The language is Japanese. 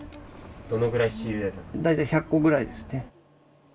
どのぐらい仕入れられたんで大体１００個ぐらいですね。